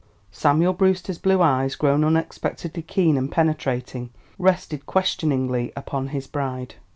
Samuel Brewster's blue eyes, grown unexpectedly keen and penetrating, rested questioningly upon his bride.